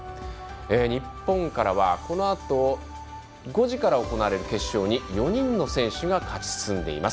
日本からは、このあと５時から行われる決勝に４人の選手が勝ち進んでいます。